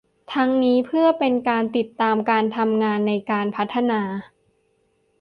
ทั้งนี้เพื่อเป็นการติดตามการทำงานในการพัฒนา